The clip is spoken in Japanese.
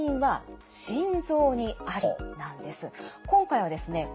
今回はですね